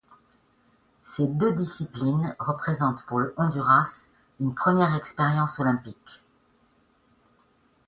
Ces deux disciplines représentent pour le Honduras une première expérience olympique.